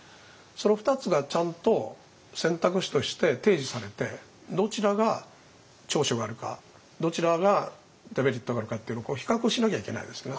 その２つがちゃんと選択肢として提示されてどちらが長所があるかどちらがデメリットがあるかっていうの比較しなきゃいけないですね。